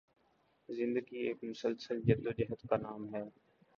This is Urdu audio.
زندگی ایک مسلسل جدوجہد کا نام ہے